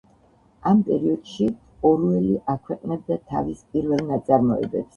ამ პერიოდში ორუელი აქვეყნებდა თავის პირველ ნაწარმოებებს.